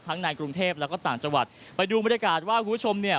ในกรุงเทพแล้วก็ต่างจังหวัดไปดูบรรยากาศว่าคุณผู้ชมเนี่ย